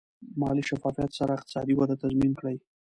مالي شفافیت سره اقتصادي وده تضمین کړئ.